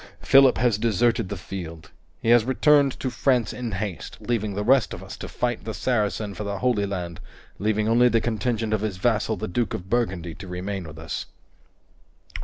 Philip has deserted the field. He has returned to France in haste, leaving the rest of us to fight the Saracen for the Holy Land leaving only the contingent of his vassal the Duke of Burgundy to remain with us."